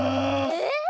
えっ？